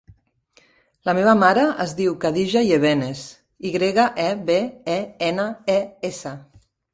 La meva mare es diu Khadija Yebenes: i grega, e, be, e, ena, e, essa.